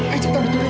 kita urus kesana dulu